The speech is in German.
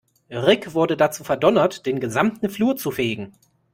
Rick wurde dazu verdonnert, den gesamten Flur zu fegen.